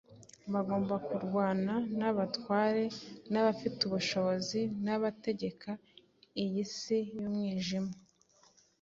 Bagombaga kurwana “n’abatware n’abafite ubushobozi n’abategeka iyi si y’umwijima,